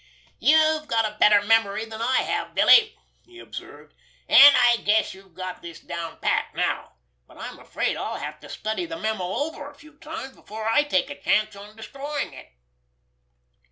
"You've got a better memory than I have, Billy," he observed, "and I guess you've got this down pat now; but I'm afraid I'll have to study the memo over a few times before I take a chance on destroying it."